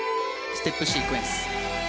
ステップシークエンス。